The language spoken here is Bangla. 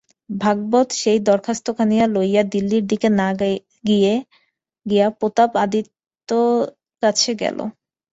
ভাগবত সেই দরখাস্তখানি লইয়া দিল্লীর দিকে না গিয়া প্রতাপ আদিত্যের কাছে গেল।